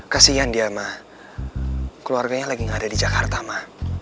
kasian dia mah keluarganya lagi gak ada di jakarta mah